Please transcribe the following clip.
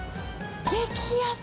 激安。